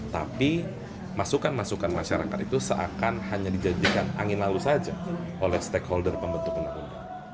tapi masukan masukan masyarakat itu seakan hanya dijadikan angin lalu saja oleh stakeholder pembentuk undang undang